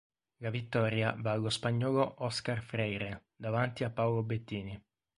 La vittoria va allo spagnolo Óscar Freire, davanti a Paolo Bettini.